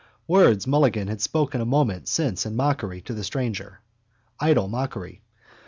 Words Mulligan had spoken a moment since in mockery to the stranger. Idle mockery.